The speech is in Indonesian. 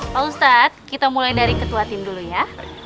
pak ustadz kita mulai dari ketua tim dulu ya